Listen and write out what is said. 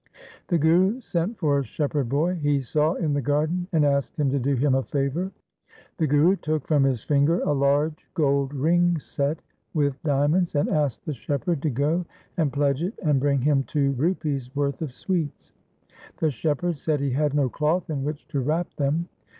The Guru sent for a shepherd boy he saw in the garden and asked him to do him a favour. The Guru took from his finger a large gold ring set with diamonds, and asked the shepherd to go and pledge it and bring him two rupees' worth of sweets. The shepherd said he had no cloth in which to wrap them.